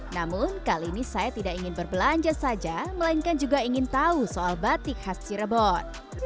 namun kali ini saya tidak ingin berbelanja saja melainkan juga ingin tahu soal batik khas cirebon